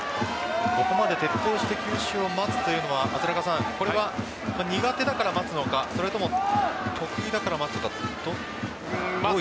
ここまで徹底して球種を待つというのは苦手だから待つのかそれとも得意だから待つのか。